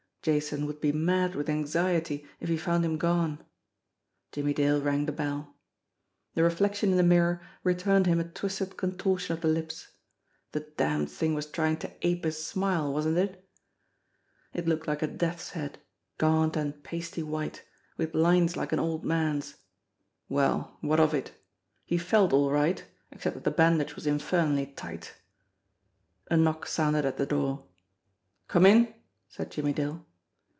Jason would be mad with anxiety if he found him gone. Jimmie Dale rang the bell. The reflection in the mirror returned him a twisted contortion of the lips. The damned thing was trying to ape a smile, wasn't it ? It looked like a death's head, gaunt and pasty white, with lines like an old man's. Well, what of it? He felt all right, except that the bandage was infernally tight. A knock sounded at the door. "Come in," said Jimmie Dale.